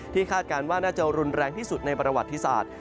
คาดการณ์ว่าน่าจะรุนแรงที่สุดในประวัติศาสตร์